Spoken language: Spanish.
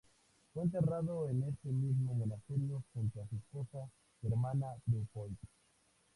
Fue enterrado en este mismo monasterio junto a su esposa Germana de Foix.